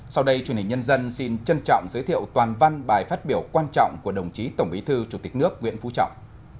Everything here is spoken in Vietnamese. sau đây truyền hình nhân dân xin trân trọng giới thiệu toàn văn bài phát biểu quan trọng của đồng chí tổng bí thư chủ tịch nước nguyễn phú trọng